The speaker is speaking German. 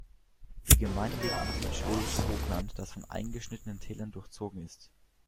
Die Gemeinde liegt im Südschwedischen Hochland, das von eingeschnittenen Tälern durchzogen ist.